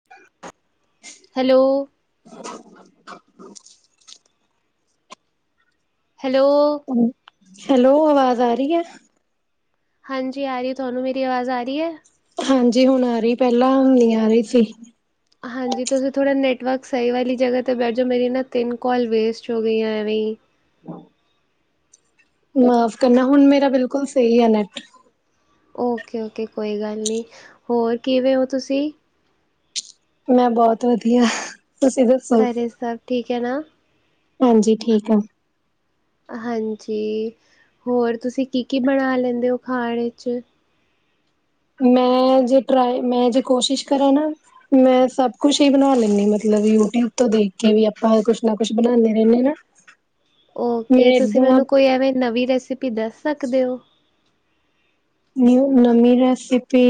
[unintelligible] Hello. [unintelligible] Hello. Hello ਆਵਾਜ਼ ਆ ਰਹੀ ਐ? ਹਾਂਜੀ ਆ ਰਹੀ ਏ, ਤੁਹਾਨੂੰ ਮੇਰੀ ਆਵਾਜ਼ ਆ ਰਹੀ ਏ? ਹਾਂਜੀ ਹੁਣ ਆ ਰਹੀ ਪਹਿਲਾਂ ਨੀ ਆ ਰਹੀ ਸੀ। ਹਾਂਜੀ ਤੁਸੀਂ ਥੋੜ੍ਹਾ ਨੈੱਟਵਰਕ ਸਹੀ ਵਾਲੀ ਜਗ੍ਹਾ 'ਤੇ ਬੈਠ ਜਾਓ ਮੇਰੀ ਨਾ ਤਿੰਨ ਕੋਲ ਵੇਸਟ ਹੋ ਗਈਆਂ ਐਵੇਂ ਹੀ ਮੁਆਫ਼ ਕਰਨਾ ਹੁਣ ਮੇਰਾ ਬਿਲਕੁਲ ਸਹੀ ਆ ਨੈੱਟ। ਓਕੇ-ਓਕੇ ਕੋਈ ਗੱਲ ਨੀ, ਹੋਰ ਕਿਵੇਂ ਓ ਤੁਸੀਂ? ਮੈਂ ਬਹੁਤ ਵਧੀਆ, ਤੁਸੀਂ ਦੱਸੋ [inaudible] ਘਰੇ ਸਭ ਠੀਕ ਹੈ ਨਾ? ਹਾਂਜੀ ਠੀਕ ਆ। ਹਾਂਜੀ, ਹੋਰ ਤੁਸੀਂ ਕੀ-ਕੀ ਬਣਾ ਲੈਂਦੇ ਹੋ ਖਾਣ 'ਚ'? ਮੈਂ ਜੇ ਟਰਾਈ, ਮੈਂ ਜੇ ਕੋਸ਼ਿਸ਼ ਕਰਾਂ ਨਾ। ਮੈਂ ਸਭ ਕੁਛ ਹੀ ਬਣਾ ਲੈਂਨੀ ਮਤਲਬ ਯੂਟਿਊਬ ਤੋਂ ਦੇਖ ਕੇ ਵੀ ਆਪਾਂ ਕੁਛ ਨਾ ਕੁਛ ਬਣਾਉਂਨੇ ਰਹਿੰਨੇ ਨਾ। ਮੈਂ ਓਕੇ ਤੁਸੀਂ ਏਦਾਂ ਮੈਨੂੰ ਕੋਈ ਐਵੇਂ ਨਵੀਂ ਰੈਸਪੀ ਦੱਸ ਸਕਦੇ ਉ? ਨਿਊ ਨਵੀਂ ਰੈਸੀਪੀ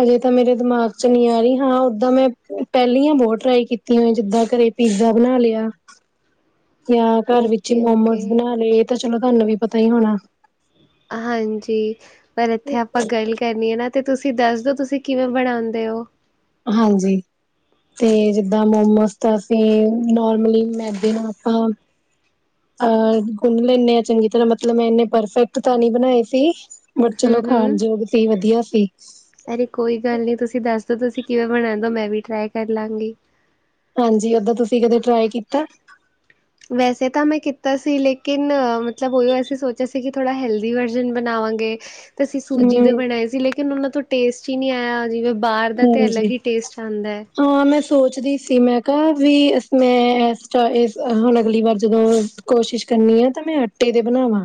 ਹਜੇ ਤਾਂ ਮੇਰੇ ਦਿਮਾਗ 'ਚ' ਨਹੀਂ ਆਈ ਹਾਂ ਓਦਾਂ ਮੈਂ ਪਹਿਲੀਆਂ ਬਹੁਤ ਟਰਾਈ ਕੀਤੀ ਹੋਈ ਜਿੱਦਾਂ ਘਰੇ। ਪੀਜ਼ਾ ਬਣ ਲਿਆ। [inaudible] ਜਾਂ ਘਰ ਵਿੱਚ ਹੀ ਓਕੇ ਮੋਮੋਸ ਓਕੇ ਬਣਾ ਲਏ ਇਹ ਤਾਂ ਚਲੋ ਤੁਹਾਨੂੰ ਵੀ ਪਤਾ ਹੀ ਹੋਣਾ। ਹਾਂਜੀ ਪਰ ਇੱਥੇ ਆਪਾਂ ਗੱਲ ਕਰਨੀ ਆ ਨਾ। ਤੇ ਤੁਸੀਂ ਦੱਸ ਦੋ ਤੁਸੀਂ ਕਿਵੇਂ ਬਣਾਂਦੇ ਓ ਹਾਂਜੀ। ਤੇ ਜਿੱਦਾਂ ਮੋਮੋਸ ਤਾਂ ਅਸੀਂ ਨਰਮਲੀ ਮੈਦੇ ਨਾਲ ਆਪਾਂ ਅਹ ਗੁੰਨ ਲੈਂਣੇ ਆ ਚੰਗੀ ਤਰ੍ਹਾਂ ਮਤਲਬ ਮੈਂ ਇੰਨੇ ਪਰਫੈਕਟ ਤਾਂ ਨੀ ਬਣਾਏ ਸੀ। ਬਟ ਚਲੋ ਹੂੰ-ਹੂੰ ਖਾਣਯੋਗ ਸੀ ਵਧੀਆ ਸੀ। ਅਰੇ ਕੋਈ ਗੱਲ ਨੀ ਤੁਸੀਂ ਦੱਸ ਦੋ ਤੁਸੀਂ ਕਿਵੇਂ ਬਣਾਂਦੇ ਦੋ ਮੈਂ ਵੀ ਟਰਾਈ ਕਰ ਲਾਂਗੀ। ਹਾਂਜੀ ਓਦਾਂ ਤੁਸੀਂ ਕਦੇ ਟਰਾਈ ਕੀਤਾ। ਵੈਸੇ ਤਾਂ ਮੈਂ ਕੀਤਾ ਸੀ ਲੇਕਿਨ, ਮਤਲਬ ਉਹੀ ਐਸੀ ਸੋਚਿਆ ਸੀ ਕਿ ਥੋੜਾ ਹੈਲਦੀ ਵਰਜਨ ਬਣਾਵਾਂਗੇ ਤੇ ਅਸੀਂ ਸੂਜੀ ਹੂੰ ਦੇ ਬਣਾਏ ਸੀ ਲੇ ਕਿ ਉਨਾਂ-ਉਨਾਂ ਤੋਂ ਟੇਸਟ ਹੀ ਨੀ ਆਇਆ ਜਿਵੇਂ ਬਾਹਰ ਦਾ ਤੇ ਹਾਂਜੀ ਅਲੱਗ ਹੀ ਟੇਸਟ ਆਦਾ। ਹਾਂ ਮੈਂ ਸੋਚਦੀ ਸੀ ਮੈਂ ਕਿਹਾ ਵੀ ਮੈਂ ਵੀ [unintelligible] ਇਸ ਹੁਣ ਅਗਲੀ ਵਾਰ ਜਦੋਂ ਕੋਸ਼ਿਸ਼ ਕਰਨੀ ਆ ਤਾਂ ਮੈਂ ਆਟੇ ਤੇ ਬਣਾਮਾ।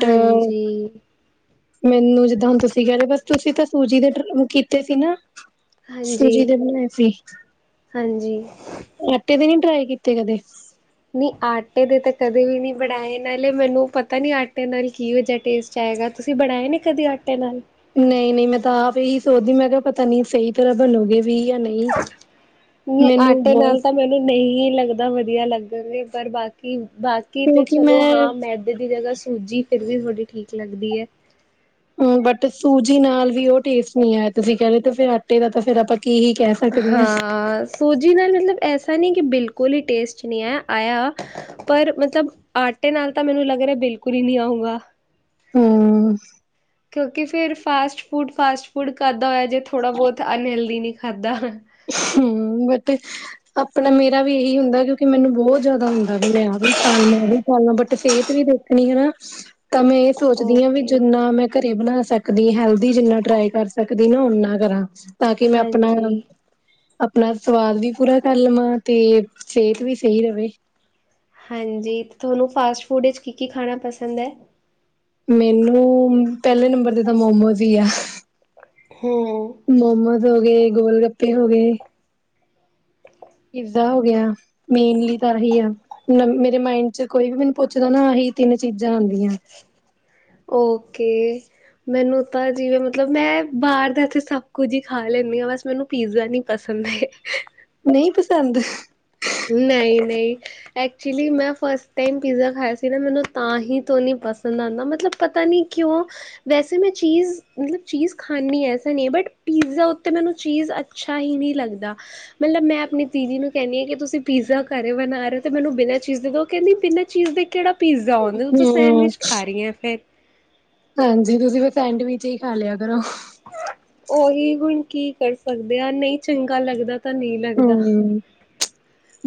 ਹਾਂਜੀ। ਮੈਨੂੰ ਜਿੱਦਾਂ ਹੁਣ ਤੁਸੀਂ ਕਹਿ ਰਹੇ ਓ ਬੱਸ ਤੁਸੀਂ ਤਾਂ ਸੂਜੀ ਟ ਕੀਤੇ ਸੀ ਨਾ ਸੂਜੀ ਹਾਂਜੀ, ਦੇ ਬਣਾਏ ਸੀ। [inaudible] ਹਾਂਜੀ। ਆਟੇ ਦੇ ਨੀ ਟਰਾਈ ਕੀਤੇ ਕਦੇ? ਨਹੀਂ ਆਟੇ ਦੇ ਤਾਂ ਕਦੇ ਵੀ ਨੀ ਬਣਾਏ ਨਾਲੇ ਮੈਨੂੰ ਪਤਾ ਨੀ ਆਟੇ ਨਾਲ ਕੀਹੋ ਜਾ ਟੇਸਟ ਚਏਗਾ ਤੁਸੀਂ ਬਣਾਏ ਨੇ ਕਦੇ ਆਟੇ ਨਾਲ? ਨਹੀਂ-ਨਹੀਂ ਮੈਂ ਤਾਂ ਆਪ ਇਹੀ ਸੋਚਦੀ ਮੈਂ ਕਿਹਾ ਪਤਾ ਨੀ ਸਹੀ ਤਰ੍ਹਾਂ ਬਣੋਗੀ ਵੀ ਜਾਂ ਨਹੀਂ। [unintelligible] [inaudible] ਮੈਨੂੰ ਬਹੁਤ ਮੈਂ ਨਹੀਂ ਲੱਗਦਾ ਵਧੀਆ ਲੱਗਣਗੇ ਪਰ ਬਾਕੀ-ਬਾਕੀ ਤੇ ਕਿਉਂਕਿ ਮੈਂ ਚਲੋ ਹਾਂ ਮੈਂ ਆਟੇ ਦੀ ਜਗ੍ਹਾ ਸੂਜੀ ਫਿਰ ਵੀ ਵਧੀਆ ਠੀਕ ਲੱਗਦੀ ਐ। ਹਮ ਬਟ ਸੂਜੀ ਨਾਲ ਵੀ ਉਹ ਟੇਸਟ ਨਹੀਂ ਆਇਆ ਤੁਸੀਂ ਕਹਿ ਰਹੇ ਫਿਰ ਆਟੇ ਦਾ ਤਾਂ ਫੇਰ ਆਪਾਂ ਕੀ ਹੀ ਕਹਿ ਸਕਦੇ ਹਾਂ। ਸੂਜੀ ਨਾਲ ਮਤਲਬ ਐਸਾ ਨੀ ਕਿ ਬਿਲਕੁਲ ਈ ਟੇਸਟ ਨੀ ਏ ਆਇਆ। ਪਰ ਮਤਲਬ ਆਟੇ ਨਾਲ ਤਾਂ ਮੈਨੂੰ ਲੱਗ ਰਿਹਾ ਬਿਲਕੁਲ ਹੀ ਨੀ ਆਊਗਾ। ਹਮ। ਕਿਉਂਕਿ ਫਿਰ ਫਾਸਟ-ਫੂਡ-ਫਾਸਟ-ਫੂਡ ਕਾਹਦਾ ਹੋਇਆ ਜੇ ਥੋੜ੍ਹਾ ਬਹੁਤ ਅਨਹੈਲਦੀ ਨਹੀਂ ਖਾਧਾ। ਹਮ ਬਟ ਆਪਣਾ ਮੇਰਾ ਵੀ ਇਹੀ ਹੁੰਦਾ ਕਿਉਂਕਿ ਮੈਨੂੰ ਬਹੁਤ ਜ਼ਿਆਦਾ ਹੁੰਦਾ ਵੀ ਮੈਂ ਆਹ ਵੀ ਖਾ ਲਾ-ਆਹ ਵੀ ਖਾ ਲਾ ਬਟ ਸਿਹਤ ਵੀ ਦੇ ਆਪਣੀ ਹਨਾ ਤਾਂ ਮੈਂ ਸੋਚਦੀ ਹਾਂ ਵੀ ਓਕੇ ਜਿੰਨਾ ਮੈਂ ਘਰੇ ਬਣਾ ਸਕਦੀ ਹਲਦੀ ਜਿੰਨਾ ਟਰਾਈ ਕਰ ਸਕਦੀ ਨਾ ਓਨਾ ਕਰਾਂ ਤਾਂ ਕਿ ਮੈਂ ਆਪਣਾ ਹਾਂਜੀ। ਆਪਣਾ ਸਵਾਦ ਵੀ ਪੂਰਾ ਕਰ ਲਵਾਂ ਤੇ ਸਿਹਤ ਵੀ ਸਹੀ ਰਹੇ ਹਾਂਜੀ ਅਤੇ ਤੁਹਾਨੂੰ ਫਾਸਟ ਫੂਡ ਵਿੱਚ ਕੀ ਕੀ ਖਾਣਾ ਪਸੰਦ ਏ ਮੈਨੂੰ ਪਹਿਲੇ ਨੰਬਰ ਤੇ ਤਾਂ ਮੋਮੋਸ ਹੀ ਆ ਹੂੰ [inaudible] ਮੋਮੋਸ ਹੋ ਗਏ ਗੋਲ ਗੱਪੇ ਹੋ ਗਏ ਪੀਜ਼ਾ ਹੋ ਗਿਆ। ਮੇਨਲੀ ਤਾਂ ਇਹੀ ਆ ਮੇਰੇ ਮਾਇੰਡ ਚ ਕੋਈ ਵੀ ਮੈਨੂੰ ਪੁੱਛਦਾ ਨਾ ਅਹੀ ਤਿੰਨ ਚੀਜ਼ਾਂ ਆਉਂਦੀਆਂ ਓਕੇ। ਮੈਨੂੰ ਤਾਂ ਜਿਵੇਂ ਮਤਲਬ ਮੈਂ ਬਾਹਰ ਦਾ ਇੱਥੇ ਸਭ ਕੁੱਝ ਹੀ ਖਾ ਲੈਂਦੀ ਹਾਂ ਬਸ ਮੈਨੂੰ ਪੀਜ਼ਾ ਨਹੀਂ ਪਸੰਦ ਹੈ। ਨਹੀਂ ਪਸੰਦ ਨਹੀ-ਨਹੀ। ਐਕਚੁਲੀ ਮੈਂ ਫਸਟ ਟਾਈਮ ਪੀਜ਼ਾ ਖਾਇਆ ਸੀ ਨਾ ਮੈਨੂੰ ਤਾਂ ਹੀ ਤੋਂ ਨੀ ਪਸੰਦ ਆਉਂਦਾ ਮਤਲਬ ਪਤਾ ਨੀ ਕਿਉਂ? ਵੈਸੇ ਮੈਂ ਚੀਜ਼ ਮਤਲਬ ਚੀਜ਼ ਖਾਂਦੀ ਐਸਾ ਨਹੀਂ ਬਟ ਪੀਜ਼ਾ ਉੱਤੇ ਮੈਨੂੰ ਚੀਜ਼ ਅੱਛਾ ਹੀ ਨਹੀਂ ਲੱਗਦਾ ਮਤਲਬ ਮੈਂ ਆਪਣੀ ਦੀਦੀ ਨੂੰ ਕਹਿੰਦੀ ਹਾਂ ਕਿ ਤੁਸੀਂ? ਤੁਸੀ ਪੀਜ਼ਾ ਘਰੇ ਬਣਾ ਰਹੇ ਤੇ ਮੈਨੂੰ ਬਿਨਾਂ ਚੀਜ਼ ਦੇ ਉਹ ਕਹਿੰਦੀ ਬਿਨਾਂ ਚੀਜ਼ ਦੇ ਕਿਹੜਾ? ਪੀਜ਼ਾ ਆਉਂਦਾ ਤੂੰ ਤਾਂ ਹਮ ਸੈਂਡਵਿਚ ਖਾ ਰਹੀ ਹਾਂ ਫਿਰ ਹਾਂਜੀ ਤੁਸੀਂ ਫਿਰ ਸੈਂਡਵਿਚ ਹੀ ਖਾ ਲਿਆ ਕਰੋ। ਉਹੀ ਹੁਣ ਕੀ ਸਕਦੇ ਆ ਨਹੀਂ ਲੱਗਦਾ। ਤਾਂ ਨਹੀਂ ਲੱਗਦਾ ਹਮ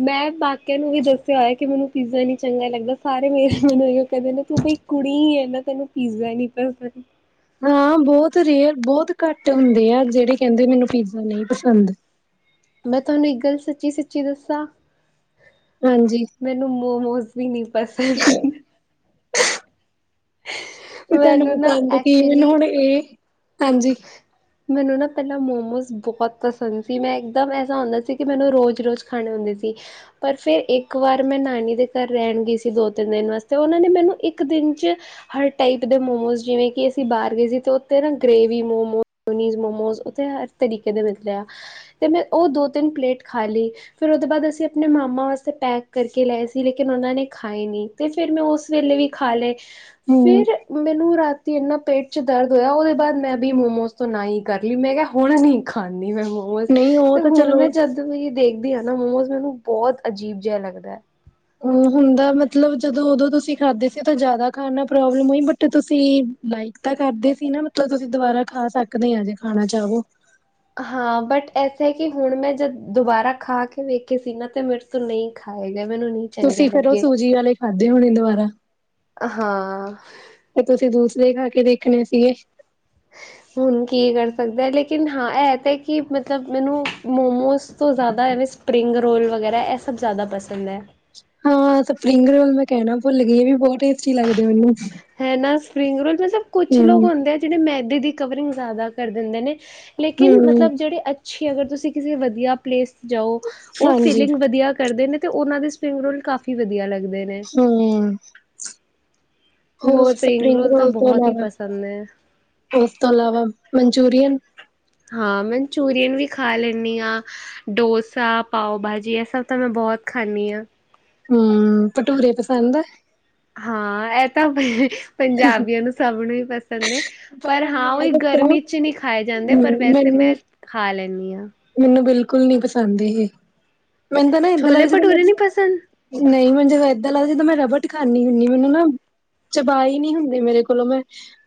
ਮੈਂ ਬਾਕੀਆਂ ਨੂੰ ਵੀ ਦੱਸਿਆ ਹੋਇਆ ਕਿ ਮੈਨੂੰ ਪੀਜ਼ਾ ਨੀ ਚੰਗਾ ਲੱਗਦਾ ਸਾਰੇ ਮੇਰੇ ਮੈਨੂੰ ਇਹੀ ਕਹਿੰਦੇ ਨੇ ਤੂੰ ਕੋਈ ਕੁੜੀ ਐ ਤੈਨੂੰ ਪੀਜ਼ਾ ਨੀ ਪਸੰਦ ਹਾਂ ਬਹੁਤ ਰੇਅਰ ਬਹੁਤ ਘੱਟ ਹੁੰਦੇ ਆ ਜਿਹੜੇ ਕਹਿੰਦੇ ਮੈਨੂੰ ਪੀਜ਼ਾ ਨਹੀਂ ਪਸੰਦ ਮੈਂ ਤੈਨੂੰ ਇੱਕ ਗੱਲ ਸੱਚੀ-ਸੱਚੀ ਦੱਸਾਂ। ਹਾਂਜੀ ਮੈਨੂੰ ਮੋਮੋਸ ਵੀ ਨੀ ਪਸੰਦ ਤੇ ਤੁਹਾਨੂੰ ਮੈਨੂੰ ਨਾ ਪਸੰਦ ਕੀ ਹਨ ਐਕਚੁਲੀ ਹੁਣ ਇਹ ਹਾਂਜੀ ਮੈਨੂੰ ਨਾ ਪਹਿਲਾਂ ਮੋਮੋਸ ਬਹੁਤ ਪਸੰਦ ਸੀ ਮੈਂ ਇੱਕਦਮ ਐਸਾ ਹੁੰਦਾ ਸੀ ਕਿ ਮੈਨੂੰ ਰੋਜ਼-ਰੋਜ਼ ਖਾਣੇ ਹੁੰਦੇ ਸੀ ਪਰ ਫੇਰ ਇੱਕ ਵਾਰ ਮੈਂ ਨਾਨੀ ਦੇ ਘਰ ਰਹਿਣ ਗਈ ਸੀ, ਦੋ ਤਿੰਨ ਦਿਨ ਵਾਸਤੇ ਉਹਨਾਂ ਨੇ ਮੈਨੂੰ ਇੱਕ ਦਿਨ 'ਚ ਹਰ ਟਾਈਪ ਦੇ ਮੋਮੋਜ਼ ਜਿਵੇਂ ਕਿ ਅਸੀਂ ਬਾਹਰ ਗਏ ਸੀ ਤੇ ਉੱਥੇ ਨਾ ਗ੍ਰੇਵੀ ਮੋਮੋ ਨੀਜ਼ ਮੋਮੋਸ ਉੱਥੇ ਹਰ ਤਰੀਕੇ ਦੇ ਮਿਲਦੇ ਆ ਤੇ ਮੈਂ ਉਹ ਦੋ ਤਿੰਨ ਪਲੇਟ ਖਾ ਲਈ ਫਿਰ ਉਹਦੇ ਬਾਅਦ ਅਸੀਂ ਆਪਣੇ ਮਾਮਾ ਵਾਸਤੇ ਪੈਕ ਕਰਕੇ ਲਏ ਸੀ ਲੇਕਿਨ ਉਹਨਾਂ ਨੇ ਖਾਏ ਨੀ ਤੇ ਫਿਰ ਮੈਂ ਉਸ ਵੇਲੇ ਵੀ ਖਾ ਲਏ ਹਮ ਫੇਰ ਮੈਨੂੰ ਰਾਤੀ ਇੰਨਾ ਪੇਟ ਚ ਦਰਦ ਹੋਇਆ ਉਹਦੇ ਬਾਅਦ ਮੈਂ ਵੀ ਮੋਮੋਸ ਨਾ ਹੀ ਕਰ ਲਈ ਮੈਂ ਕਿਹਾ ਹੁਣ ਨਹੀਂ ਖਾਂਦੀ ਮੈਂ ਮੋਮੋਸ ਨਹੀਂ ਉਹ ਤੇ ਤਾਂ ਹੁਣ ਚਲੋ ਮੈਂ ਜਦ ਜਦੋਂ ਦੇਖਦੀ ਹਾਂ ਨਾ ਮੋਮੋਜ਼ ਮੈਨੂੰ ਬਹੁਤ ਅਜੀਬ ਜਿਹਾ ਲੱਗਦਾ ਏ ਹਮ ਹੁੰਦਾ ਮਤਲਬ ਜਦੋਂ ਉਦੋਂ ਤੁਸੀਂ ਖਾਦੇ ਸੀ ਤਾਂ ਜਿਆਦਾ ਖਾਣ ਨਾਲ ਪ੍ਰੋਬਲਮ ਹੋਈ ਬਟ ਤੁਸੀਂ ਲਾਈਕ ਤਾਂ ਕਰਦੇ ਸੀ ਨਾ ਮਤਲਬ ਤੁਸੀਂ ਦੁਬਾਰਾ ਖਾ ਸਕਦੇ ਆ ਜੇ ਖਾਣਾ ਚਾਹਵੋ ਹਾਂ ਬਟ ਐਸੇ ਹੈ ਕਿ ਹੁਣ ਜਦ ਮੈਂ ਖਾ ਕੇ ਵੇਖ ਸੀਨਾ ਤੇ ਮਿਰ ਤੂੰ ਨਹੀਂ ਖਾਏ ਗਏ ਮੈਨੂੰ ਨਹੀਂ ਚੰਗੇ ਤੁਸੀਂ ਫੇਰ ਉਹ ਲੱਗੇ ਸੂਜੀ ਵਾਲੇ ਖਾਧੇ ਹੋਣੇ ਦੁਬਾਰਾ ਹਾਂ। ਤੇ ਤੁਸੀਂ ਦੂਸਰੇ ਖਾ ਕੇ ਦੇਖਣੇ ਸੀਗੇ ਹੁਣ ਕੀ ਕਰ ਸਕਦਾ ਲੇਕਿਨ ਹਾਂ ਇਹ ਤਾਂ ਕਿ ਮਤਲਬ ਮੈਨੂੰ ਮੋਮੋਸ ਤੋਂ ਜ਼ਿਆਦਾ ਐਵੇ ਸਪਰਿੰਗ ਰੋਲ ਵਗੈਰਾ ਐ ਸਭ ਜ਼ਿਆਦਾ ਪਸੰਦ ਐ ਹਾਂ, ਸਪਰਿੰਗ ਰੋਲ ਮੈਂ ਕਹਿਣਾ ਭੁੱਲ ਗਈਏ ਇਹਵੀ ਬਹੁਤ ਟੇ ਹੈ ਨਾ ਸਪਰਿੰਗ ਰੋਲ ਮਤਲਬ ਕੁੱਛ ਹੂੰ ਲੋਕ ਹੁੰਦੇ ਆ ਜਿਹੜੇ ਮੈਦੇ ਦੀ ਕਵਰਿੰਗ ਜ਼ਿਆਦਾ ਕਰ ਦਿੰਦੇ ਨੇ, ਲੇਕਿਨ ਹੂੰ ਮਤਲਬ ਜਿਹੜੇ ਅੱਛੀ, ਅਗਰ ਤੁਸੀ ਕਿਸੇ ਵਧੀਆ ਪਲੇਸ ਤੇ ਜਾਓ, ਉਹ ਹਾਂਜੀ ਫੀਲਿੰਗ ਵਧੀਆ ਕਰਦੇ ਨੇ ਤੇ, ਉਹਨਾਂ ਦੇ ਸਪਰਿੰਗ ਰੋਲ ਕਾਫ਼ੀ ਵਧੀਆ ਲੱਗਦੇ ਨੇ। ਹਮ [inaudible] ਮੈਨੂੰ ਹੋਰ ਸਪਰਿੰਗ ਤਾਂ ਰੋਲ ਤੋਂ ਬਹੁਤ ਹੀ ਇਲਾਵਾ। ਪਸੰਦ ਹੈ। ਉਸ ਤੋਂ ਇਲਾਵਾ, ਮਨਚੂਰੀਅਨ। ਹਾਂ, ਮਨਚੂਰੀਅਨ ਵੀ ਖਾ ਲੈਂਣੀ ਆ। ਡੋਸਾ, ਪਾਓ ਭਾਜੀ, ਇਹ ਸਭ ਤਾਂ ਮੈਂ ਬਹੁਤ ਖਾਣੀ ਆ। ਹਮ, ਭਟੂਰੇ ਪਸੰਦ ਆ? ਹਾਂ, ਇਹ ਤਾਂ ਪੰਜਾਬੀਆਂ ਨੂੰ ਸਭ ਨੂੰ ਪਸ ਪਰ ਮੈਂ ਪਰ ਹੁਣ ਹਾਂ ਮੈਂ ਉਹੀ ਦੱਸਾਂ ਹੂੰ ਗਰਮੀ 'ਚ' ਨਹੀਂ ਖਾਏ ਜਾਂਦੇ, ਪਰ ਵੈਸੇ ਮੈਨੂੰ ਮੈਂ ਖਾ ਲੈਂਣੀ ਆ। ਮੈਨੂੰ ਬਿਲਕੁਲ ਨੀ, ਪਸੰਦ ਇਹ ਮੈਨੂੰ ਤਾਂ ਨਾ ਇੱਦਾ ਛੋਲੇ ਲੱਗਦਾ ਜਿਵੇਂ ਭਟੂਰੇ ਨੀ ਪਸੰਦ ਨਹੀ ਮੈਨੂੰ, ਜਦੋਂ ਇੱਦਾਂ ਲੱਗਦਾ ਜਦੋਂ ਮੈਂ ਰਬਟ ਖਾਣੀ ਹੁੰਨੀ ਮੈਨੂੰ ਨਾ ਚਬਾਅ ਨਹੀ ਹੁੰਦੇ, ਮੇਰੇ ਕੋਲੋਂ ਮੈਂ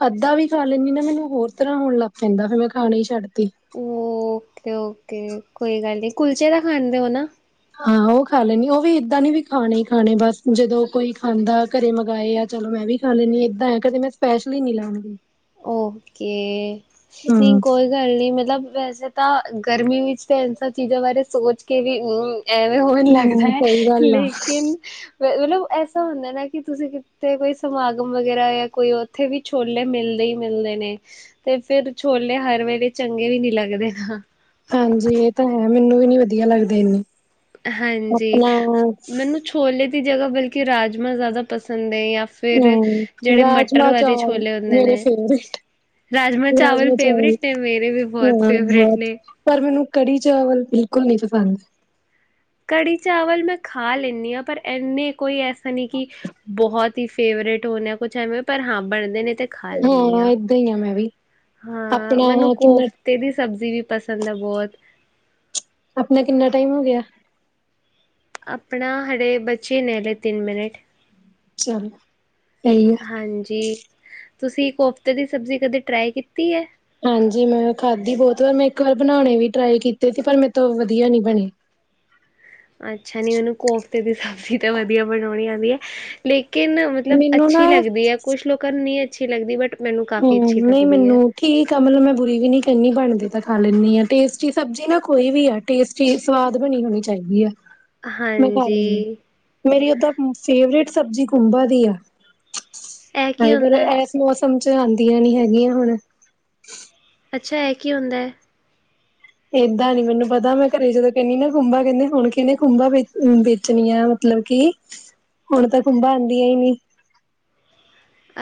ਅੱਧਾ ਵੀ ਖਾ ਲੈਂਣੀ ਨਾ, ਮੈਨੂੰ ਹੋਰ ਤਰ੍ਹਾਂ ਹੋਣ ਲੱਗ ਪੈਂਦਾ, ਫਿਰ ਮੈਂ ਖਾਣੇ ਛੱਡਤੇ। ਓਕੇ-ਓਕੇ, ਕੋਈ ਗੱਲ ਨੀ ਕੁਲਚੇ ਦਾ ਖਾਣ ਦੇ ਹੋ ਨਾ। [inaudible] ਖਾਂ ਲੈਣੀ ਆ, ਉਹ ਵੀ ਏਦਾਂ ਨੀ ਵੀ ਖਾਣੇ ਹੀ ਖਾਣੇ, ਬੱਸ ਜਦੋਂ ਕੋਈ ਖਾਂਦਾ ਘਰੇ ਮੰਗਾਏ ਆ, ਚਲੋ ਮੈਂ ਵੀ। ਚੱਲੇ ਨੀ, ਇੱਦਾਂ ਕਦੇ ਮੈਂ ਸਪੈਸ਼ਲੀ ਨੀ ਲੈਣ ਗਈ। ਓਕੇ, [inaudible] ਹੂੰ। ਨਹੀਕੋਈਲ ਗੱਲ ਨੀ, ਮਤਲਬ ਵੈਸੇ ਤਾਂ ਗਰਮੀ ਵਿੱਚ ਤਾਂ ਇਹ ਸਭ ਚੀਜ਼ਾਂ ਬਾਰੇ ਸੋਚ ਕੇ ਵੀ, ਅਮਮ ਐਵੇਂ ਹੋਣ [unintelligible] ਲੱਗਦਾ ਹੂੰ ਸਹੀ [unintelligible] ਗੱਲ ਆ ਲੇਕਿਨ। ਮਤਲਬ ਐਸਾ ਹੁੰਦਾ ਨਾ ਕਿ, ਤੁਸੀ ਕਿਤੇ ਕੋਈ ਸਮਾਗਮ ਵਗੈਰਾ ਜਾਂ ਕੋਈ ਉੱਥੇ ਵੀ ਛੋਲੇ ਮਿਲਦੇ ਈ ਮਿਲਦੇ ਨੇ, ਤੇ ਫਿਰ ਛੋਲੇ ਹਰ ਵੇਲੇ ਚੰਗੇ ਵੀ ਨੀ ਲੱਗਦੇ ਨਾ। ਹਾਂਜੀ, ਇਹ ਤਾਂ ਹੈ ਮੈਨੂੰ ਵੀ ਨੀ ਵਧੀਆ ਲੱਗਦੇ ਇੰਨੇ, ਹਾਂਜੀ। ਆਪਣਾ ਮੈਨੂੰ ਛੋਲੇ ਦੀ ਜਗਾ ਬਲਕਿ, ਰਾਜਮਾਂਹ ਜ਼ਿਆਦਾ ਪਸੰਦ ਐ ਜਾਂ ਫਿਰ ਫਿਰ ਹੂੰ ਜਿਹੜੇ ਮਟਰ ਰਾਜਮਾਂ ਵਾਲੇ ਚਾਵਲ ਛੋਲੇ ਹੁੰਦੇ ਮੇਰੇ ਨੇ ਫੇਵਰੇਟ ਰਾਜਮਾਂਹ ਚਾਵਲ ਫੇਵਰੇਟ ਨੇ, ਮੇਰੇ ਵੀ ਬਹੁਤ ਹਾਂ ਫੇਵਰੇਟ ਬਹੁਤ ਨੇ। ਪਰ, ਮੈਨੂੰ ਕੜੀ ਚਾਵਲ ਬਿਲਕੁਲ ਨੀ ਪਸੰਦ। ਕੜੀ ਚਾਵਲ ਮੈਂ ਖਾਂ ਲੈਂਣੀ ਆ, ਪਰ ਇੰਨੇ ਕੋਈ ਐਸਾ ਨਹੀ ਕਿ ਬਹੁਤ। ਫੇਵਰੇਟ ਹੋ ਨਾ ਕੁਛ, ਐਵੇਂ ਪਰ ਹਾਂ ਬਣਦੇ ਨੇ ਤੇ ਖਾ ਲੈਂਦੀ ਹਾਂ ਇੱਦਾ ਈ, ਆ ਮੇਰਾ ਹਾਂ, ਮੈਨੂੰ ਕੋਫਤੇ ਦੀ ਸਬਜ਼ੀ ਵੀ ਪਸੰਦ ਆ ਬਹੁਤ। [inaudible] ਆਪਣੇ ਕਿੰਨਾ ਟਾਈਮ ਹੋ ਗਿਆ? ਆਪਣਾ ਹਡੇ, ਬਚੇ ਨੇ ਹਲੇ ਤਿੰਨ ਮਿੰਟ। ਚਲੋ, ਸਹੀ ਆ। ਹਾਂਜੀ, ਤੁਸੀ ਕੋਫਤੇ ਦੀ ਸਬਜ਼ੀ ਕਦੇ ਟਰਾਈ ਕੀਤੀ ਐ? ਹਾਂਜੀ, ਮੈਂ ਖਾਧੀ ਬਹੁਤ ਵਾਰ, ਮੈਂ ਇੱਕ ਵਾਰ ਬਣਾਣੇ ਵੀ ਟਰਾਈ ਕੀਤੇ ਸੀ। ਪਰ ਮੇਰੇ ਤੋਂ ਵਧੀਆ ਨੀ ਬਣੀ। ਅੱਛਾ ਨੀ, ਮੈਨੂੰ ਕੋਫਤੇ ਦੀ ਸਬਜ਼ੀ ਤਾਂ ਵਧੀਆ ਬਣਾਉਣੀ ਆਉਂਦੀ ਆ। ਲੇਕਿਨ ਮਤਲਬ, ਮੈਨੂੰ ਨਾ ਅੱਛੀ ਲੱਗਦੀ ਆ ਕੁਛ ਲੋਕਾਂ ਨੂੰ ਨਹੀ ਅੱਛੀ ਲੱਗਦੀ ਬਟ ਮੈਨੂੰ ਕਾਫ਼ੀ ਅੱਛੀ ਹਮਮ, ਨਹੀ ਲੱਗਦੀ ਹੈ। ਮੈਨੂੰ ਠੀਕ ਆ ਮਤਲਬ, ਮੈਂ ਬੁਰੀ ਵੀ ਨਹੀ ਕਹਿੰਦੀ ਬਣਦੀ ਤਾਂ ਖਾਂ ਲੈਂਦੀ ਆ, ਟੇਸਟੀ ਸਬਜ਼ੀ ਨਾ ਕੋਈ ਵੀ ਆ। ਟੇਸਟੀ, ਸਵਾਦ ਬਣੀ ਹੋਣੀ ਚਾਹੀਦੀ ਆ। ਮੈਂ ਖਾਂ ਹਾਂਜੀ ਲਉਗੀਂ, ਮੇਰੀ ਓਦਾਂ ਫੇਵਰੇਟ ਸਬਜ਼ੀ ਖੁੰਭਾਂ ਦੀ ਆ। ਇਹ [inaudible] ਕੀ ਵਾਹਿਗੁਰੂ, ਹੁੰਦਾ? ਇਸ ਮੌਸਮ 'ਚ ਆਂਦੀਆਂ ਨੀ ਹੈਗੀਆਂ ਹੁਣ। ਅੱਛਾ, ਇਹ ਕੀ ਹੁੰਦਾ ਐ? ਏਦਾਂ ਨੀ ਮੈਨੂੰ ਪਤਾ, ਮੈਂ ਘਰੇ ਜਦੋਂ ਕਹਿੰਨੀ ਨਾ ਖੁੰਬਾ ਕਹਿੰਦੇ, ਹੁਣ ਕਿਹਨੇ ਖੁੰਬਾ ਵੇਚਣੀਆਂ। ਮਤਲਬ ਕਿ, ਹੁਣ ਤਾਂ ਖੁੰਬਾਂ ਆਂਦੀਆਂ ਨੀ।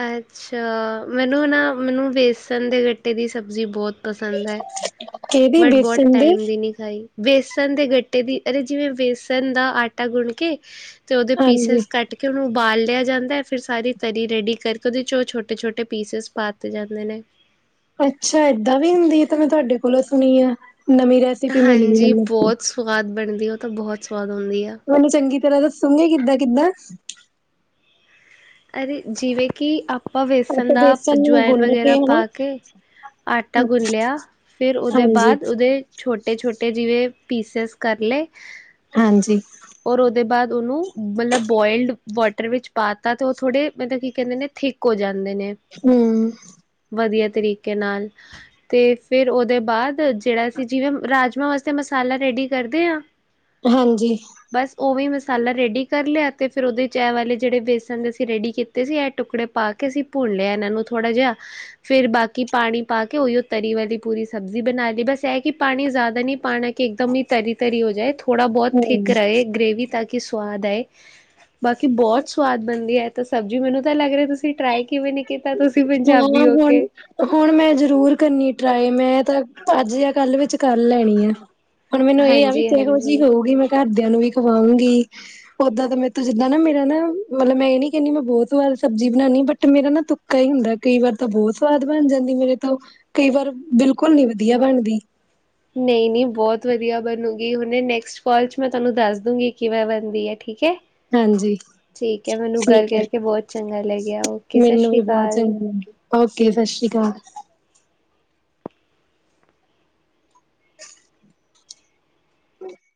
ਅੱਛਾ, ਮੈਨੂੰ ਨਾ ਮੈਨੂੰ ਬੇਸਣ ਦੇ ਗੱਟੇ ਦੀ ਸਬਜ਼ੀ ਬਹੁਤ ਪਸੰਦ ਐ। ਕਿਹਦੀ ਬੇਸਣ ਦੀ। ਹੈਈ, ਬੇਸਣ ਦੇ ਗੱਟੇ ਦੀ ਅਰੇ ਜਿਵੇਂ ਬੇਸਣ ਦਾ ਆਟਾ ਗੁੰਨ੍ਹ ਕੇ। ਤੇ ਉਹਦੇ ਹਾਂਜੀ। ਪੀਸਿਸ ਕੱਟ ਕੇ ਕਿ ਉਹਨੂੰ ਉਬਾਲ ਲਿਆ ਜਾਂਦਾ ਫਿਰ ਸਾਰੀ ਤਰੀ ਰੈਡੀ ਕਰਕੇ ਉਹਦੇ 'ਚ ਉਹ ਛੋਟੇ- ਛੋਟੇ ਪੀਸਿਸ ਪਾ ਦਿੱਤੇ ਜਾਂਦੇ ਨੇ। ਅੱਛਾ, ਏਦਾਂ ਵੀ ਹੁੰਦੀ ਆ ਇਹ ਤਾਂ ਮੈਂ ਤੁਹਾਡੇ ਕੋਲੋਂ ਸੁਣੀ ਆ ਨਵੀਂ ਰੈਸਿਪੀ ਮਿਲ ਗਈ ਹਾਂਜੀ ਮੈਨੂੰ। ਬਹੁਤ ਸਵਾਦ ਬਣਦੀ ਆ ਉਹ ਤਾਂ ਬਹੁਤ ਸਵਾਦ ਹੁੰਦੀ ਆ। ਮੈਨੂੰ ਚੰਗੀ ਤਰ੍ਹਾਂ ਦੱਸੋਂਗੇ ਕਿੱਦਾਂ- ਕਿੱਦਾਂ। ਅਰੇ ਜਿਵੇਂ ਕਿ ਆਪਾਂ ਵੇਸਣ ਆਪਾਂ ਦਾ ਬੇਸਣ ਨੂੰ ਜੁਆਇਨ ਗੁੰਨ ਕੇ ਵਗੈਰਾ ਹਨਾ ਪਾ ਕੇ, ਆਟਾ ਗੁੰਨ੍ਹ ਲਿਆ, ਫਿਰ ਉਹਦੇ ਹਾਂਜੀ ਬਾਅਦ ਉਹਦੇ ਛੋਟੇ -ਛੋਟੇ ਜਿਵੇਂ ਪੀਸਿਸ ਕਰਲੇ। ਹਾਂਜੀ। ਔਰ ਉਹਦੇ ਬਾਅਦ ਉਹਨੂੰ ਮਤਲਬ ਬੋਆਈਲਡ ਵਾਟਰ ਵਿੱਚ ਪਾ ਦਿੱੱਤਾ ਤੇ ਉਹ ਥੋੜੇ ਮਤਲਬ ਕੀ ਕਹਿੰਦੇ ਨੇ ਥਿੱਕ ਥਿੱਕ ਹੋ ਜਾਂਦੇ ਨੇ। ਹਮ। ਵਧੀਆ ਤਰੀਕੇ ਨਾਲ ਤੇ ਫਿਰ ਉਹਦੇ ਬਾਅਦ ਜਿਹੜਾ ਅਸੀਂ ਜਿਵੇਂ ਰਾਜਮਾਂ ਵਾਸਤੇ ਮਸਾਲਾ ਰੈਡੀ ਕਰਦੇ ਆਂ। ਹਾਂਜੀ। ਬਸ ਉਵੇ ਈ ਮਸਾਲਾ ਰੈਡੀ ਕਰ ਲਿਆ ਤੇ ਫੇਰ ਉਹਦੇ ਚ ਇਹ ਵਾਲੇ ਜਿਹੜੇ ਬੇਸਨ ਦੇ ਅਸੀਂ ਰੈਡੀ ਕੀਤੇ ਤੇ ਅਸੀਂ ਇਹ ਟੁਕੜੇ ਪਾ ਕੇ ਅਸੀਂ ਭੁੰਨ ਲਿਆ ਇਹਨਾਂ ਨੂੰ ਥੋੜ੍ਹਾ ਜਿਹਾ। ਫਿਰ ਬਾਕੀ ਪਾਣੀ ਪਾ ਕੇ ਉਹੀਓ ਤਰੀ ਵਾਲੀ ਪੂਰੀ ਸਬਜ਼ੀ ਬਣਾ ਲਈ ਬਸ ਇਹ ਕਿ ਪਾਣੀ ਜ਼ਿਆਦਾ ਨਹੀਂ ਪਾਣਾ। ਕਿ ਇੱਕ ਦਮ ਹੀ ਤਰੀ- ਤਰੀ ਹੋ ਜਾਏ, ਥੋੜਾ ਬਹੁਤ ਹਮ ਥਿਕ ਰਹੇ ਗ੍ਰੇਵੀ ਤਾਂ ਕਿ ਸਵਾਦ ਆਏ। ਬਾਕੀ ਬਹੁਤ ਸਵਾਦ ਬਣਦੀ ਐ ਤਾਂ ਸਬਜ਼ੀ ਮੈਨੂੰ ਤਾਂ ਲੱਗ ਰਹੀ ਤੁਸੀਂ ਟਰਾਈ ਕਿਵੇਂ ਨੀ ਕੀਤੀ। ਕੀਤਾ ਤੁਸੀਂ ਹਾਂ ਪੰਜਾਬੀ ਹੋ ਹੁਣ ਕੇ। ਹੁਣ ਮੈਂ ਜ਼ਰੂਰ ਕਰਨੀ ਆ ਟਰਾਈ। ਮੈਂ ਤਾਂ ਅੱਜ ਜਾਂ ਕੱਲ ਵਿੱਚ ਕਰ ਲੈਣੀ ਆ। ਹੁਣ ਮੈਨੂੰ ਇਹ ਆ ਵੀ ਹਾਂਜੀ ਕਿਹੋ -ਜਿਹੀ ਹਾਂਜੀ ਹੋਊਗੀ। ਮੈਂ ਘਰਦਿਆਂ ਨੂੰ ਵੀ ਖਵਾਉਂਗੀ। ਓਦਾਂ ਦਾ ਮੇਰੇ ਤੋ ਜਿੱਦਾਂ ਨਾ ਮੇਰਾ ਨਾ ਮਤਲਬ ਮੈਂ ਇਹ ਨੀ ਕਹਿੰਦੀ ਮੈਂ ਬਹੁਤ ਵਾਰ ਸਬਜ਼ੀ ਬਣਾਣੀ ਬਟ ਮੇਰਾ ਨਾ ਤੁੱਕਾ ਤੁੱਕਾ ਹੀ ਹੁੰਦਾ ਕਈ ਵਾਰ ਤਾਂ ਬਹੁਤ ਸਵਾਦ ਬਣ ਜਾਂਦੀ ਮੇਰੇ ਤੋਂ ਕਈ ਵਾਰ ਬਿਲਕੁਲ ਨਹੀ ਵਧੀਆ ਬਣਦੀ। ਨਹੀਂ -ਨਹੀਂ ਬਹੁਤ ਵਧੀਆ ਬਣੂਗੀ। ਹੁਣ ਏ ਨੈਕਸਟ ਕਾਲ ਚ ਮੈਂ ਤੁਹਾਨੂੰ ਦੱਸ ਦੂਗੀਂ ਕਿਵੇਂ ਬਣਦੀ ਹੈ ਠੀਕ ਐ। ਹਾਂਜੀ। ਠੀਕ ਐ, ਮੈਨੂੰ ਗੱਲ ਠੀਕ ਹੈ ਕਰਕੇ ਬਹੁਤ ਚੰਗਾ ਲੱਗਿਆ। ਓਕੇ, ਸਤਿ ਮੈਨੂੰ ਵੀ ਸ੍ਰੀ ਬਹੁਤ ਅਕਾਲ। ਚੰਗੀ ਲੱਗੀ ਓਕੇ, ਸਤਿ ਸ਼੍ਰੀ ਅਕਾਲ। [inaudible]